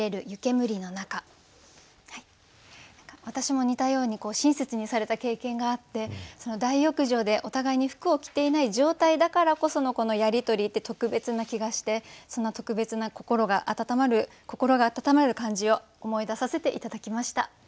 私も似たように親切にされた経験があって大浴場でお互いに服を着ていない状態だからこそのやり取りって特別な気がしてその特別な心が温まる感じを思い出させて頂きました。